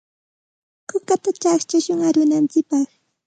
Kukata chaqchashun arunantsikpaq.